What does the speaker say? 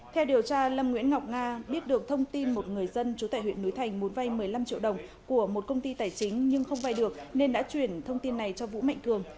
theo điều tra lâm nguyễn ngọc nga biết được thông tin một người dân chú tại huyện núi thành muốn vay một mươi năm triệu đồng của một công ty tài chính nhưng không vay được nên đã chuyển thông tin này cho vũ mạnh cường